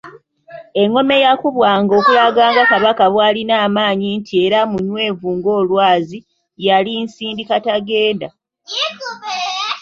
Engoma eyakubwanga okulaga nga Kabaka bw’alina amaanyi nti era munywevu ng’olwazi yali Nsindikatagenda.]